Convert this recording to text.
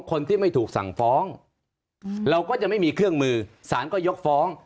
คนที่ไม่ถูกสั่งฟ้องเราก็จะไม่มีเครื่องมือสารก็ยกฟ้อง